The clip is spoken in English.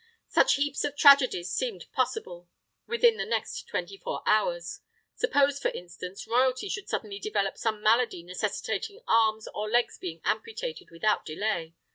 Such heaps of tragedies seemed possible within the next twenty four hours. Suppose, for instance, royalty should suddenly develop some malady necessitating arms or legs being amputated without delay——!